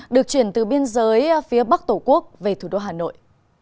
được chuyển từ biên giới phía bắc tổ quốc về thủ đô hà nội